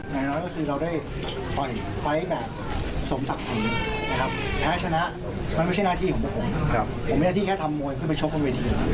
มันไม่ใช่หน้าที่ของผมผมมีหน้าที่แค่ทำมวยเพื่อไปชกบนเวที